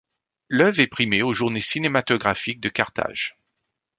L'œuvre est primée aux Journées cinématographiques de Carthage.